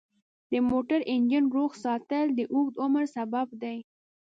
د موټر انجن روغ ساتل د اوږد عمر سبب دی.